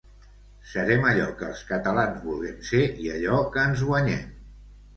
Serem allò que els catalans vulguem ser i allò que ens guanyem.